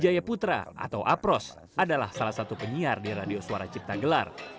jaya putra atau apros adalah salah satu penyiar di radio suara cipta gelar